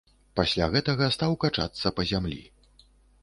Пасля гэтага стаў качацца па зямлі.